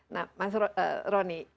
nah mas roni